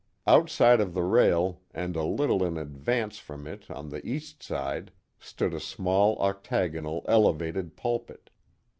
Outside of the rail, and a little in advance from it on the east side, stood a small octagonal elevated pulpit.